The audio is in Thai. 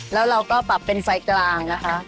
แล้วเราก็ปรับเป็นไฟกลางนะคะ